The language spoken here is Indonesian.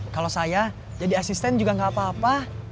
kalau saya jadi asisten juga gak apa apa